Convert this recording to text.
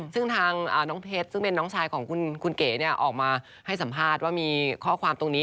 ซึ่งทางน้องเพชรซึ่งเป็นน้องชายของคุณเก๋ออกมาให้สัมภาษณ์ว่ามีข้อความตรงนี้